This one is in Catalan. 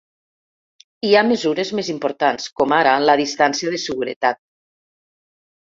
Hi ha mesures més importants, com ara la distància de seguretat.